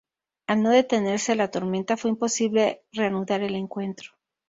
Al no detenerse la tormenta fue imposible reanudar el encuentro.